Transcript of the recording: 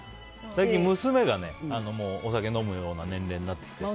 最近、娘がお酒を飲むような年齢になってきて。